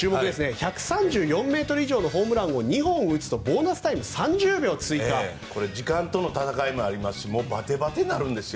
１３４ｍ以上のホームランを２本打つとこれは時間との闘いもありますしバテバテになるんですよ。